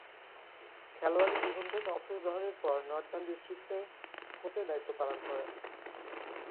খেলোয়াড়ী জীবন থেকে অবসর গ্রহণের পর নর্দার্ন ডিস্ট্রিক্টসের কোচের দায়িত্ব পালন করেন।